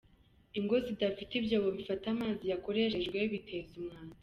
Ingo zidafite ibyobo bifata amazi yakoreshejwe biteza umwanda